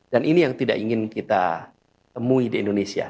dan ini yang tidak ingin kita temui di indonesia